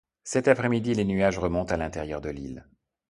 cet après midi les nuages remontent à l'intérieur de l'île